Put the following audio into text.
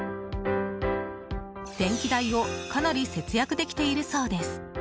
電気代をかなり節約できているそうです。